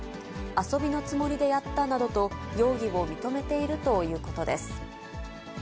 遊びのつもりでやったなどと、容疑を認めているということです。